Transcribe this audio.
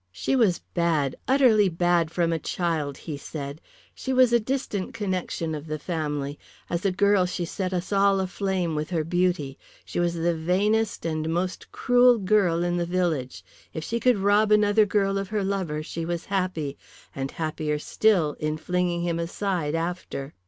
"She was bad, utterly bad from a child," he said. "She was a distant connexion of the family. As a girl she set us all aflame with her beauty. She was the vainest and most cruel girl in the village. If she could rob another girl of her lover she was happy, and happier still in flinging him aside after.